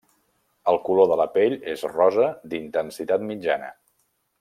El color de la pell és rosa d'intensitat mitjana.